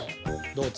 どう？